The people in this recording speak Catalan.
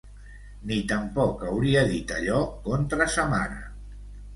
Ni tampoc hauria dit allò contra sa mare.